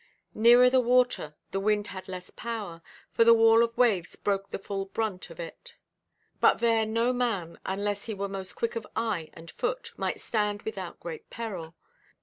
Nearer the water the wind had less power, for the wall of waves broke the full brunt of it. But there no man, unless he were most quick of eye and foot, might stand without great peril.